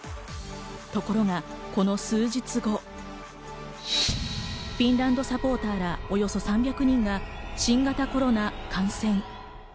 ところがこの数日後、フィンランドサポーターらおよそ３００人が新型コロナ感染。